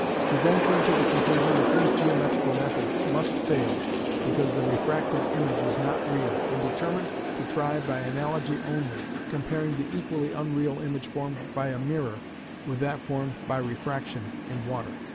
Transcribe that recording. He then came to the conclusion that these geometrical methods must fail because the refracted image is not real, and determined to try by analogy only, comparing the equally unreal image formed by a mirror with that formed by refraction in water.